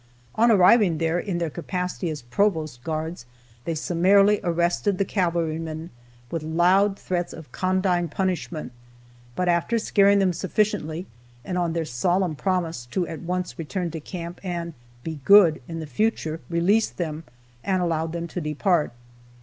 On arriving there, in their capacity as provost guards, they summarily arrested the cavalrymen, with loud threats of condign punishment, but after scaring them sufficiently, and on their solemn promise to at once return to camp and "be good" in the future, released them, and allowed them to depart.